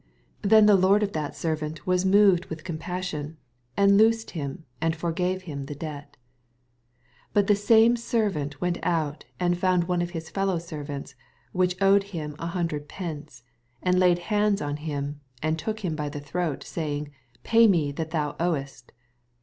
27 Then the lord of that servant was moved with compassion, and loosed ]^im. and forgave nim the debt. 28 But tne same servant went oat, and found one of his fellow servants, which owed liim an hundred pence : and laid hands on him, and took him by the throat, saying. Pay me that thou owest.